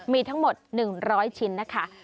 มีทั้งหมด๑๐๐ชิ้นนะคะ